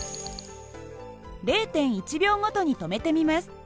０．１秒ごとに止めてみます。